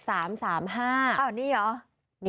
อ้าวนี่เหรอ